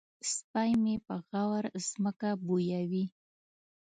سپی مې په غور ځمکه بویوي.